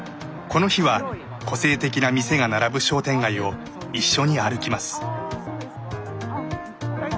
この日は個性的な店が並ぶ商店街を一緒に歩きます。